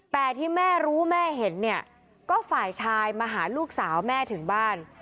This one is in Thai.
แต่ที่แม่รู้แม่เห็นเนี่ยก็ฝ่ายชายมาหาลูกสาวแม่ถึงบ้าน